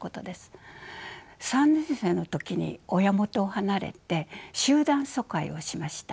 ３年生の時に親元を離れて集団疎開をしました。